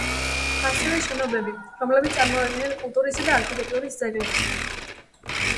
ასევე შენობები, რომლებიც წარმოადგენენ კულტურისა და არქიტექტურის ძეგლებს.